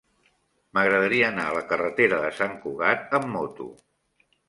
M'agradaria anar a la carretera de Sant Cugat amb moto.